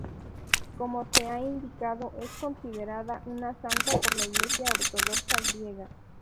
Como se ha indicado, es considerada una santa por la iglesia ortodoxa griega.